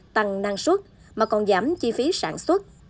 tăng năng suất mà còn giảm chi phí sản xuất